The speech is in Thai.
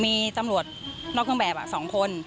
มีตำรวจนอกเครื่องแบบ๒คน